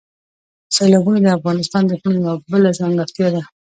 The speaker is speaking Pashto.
سیلابونه د افغانستان د اقلیم یوه بله ځانګړتیا ده.